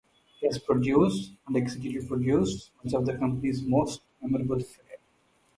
He has produced, and executive-produced, much of the company's most memorable fare.